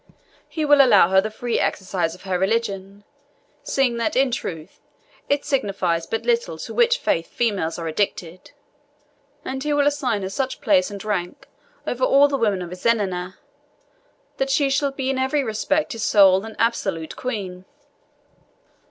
He will allow her the free exercise of her religion, seeing that, in very truth, it signifies but little to which faith females are addicted; and he will assign her such place and rank over all the women of his zenana, that she shall be in every respect his sole and absolute queen."